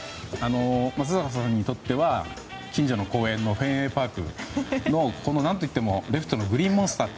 松坂さんにとっては近所の公園のフェンウェイ・パークの何といってもレフトのグリーンモンスター